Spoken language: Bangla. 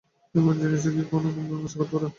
এমন জিনিসও কি ও কখনো আশা করতে পারে?